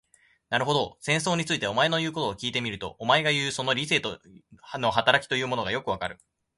なるほど、戦争について、お前の言うことを聞いてみると、お前がいう、その理性の働きというものもよくわかる。